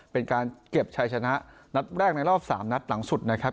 เป็นการเก็บชัยชนะนัดแรกในรอบ๓นัดหลังสุดนะครับ